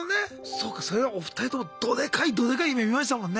そうかそれはお二人ともどでかいどでかい夢みましたもんね。